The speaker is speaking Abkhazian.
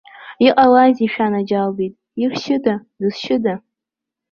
Иҟалазеи, шәанаџьалбеит, иршьыда, дызшьыда?!